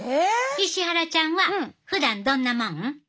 石原ちゃんはふだんどんなもん？